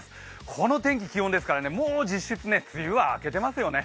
この天気、気温ですからもう実質、梅雨は明けてますよね。